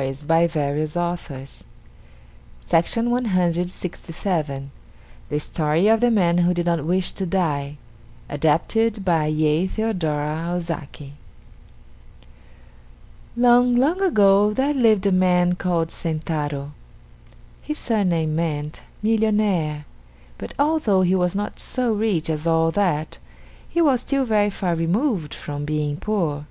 Used by permission.] JAPANESE STORIES THE STORY OF THE MAN WHO DID NOT WISH TO DIE ADAPTED BY YEI THEODORA OZAKI Long, long ago there lived a man called Sentaro. His surname meant "Millionaire," but although he was not so rich as all that, he was still very far removed from being poor.